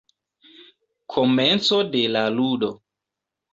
Komenco de la ludo.